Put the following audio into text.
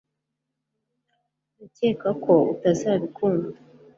ndakeka ko utazabikunda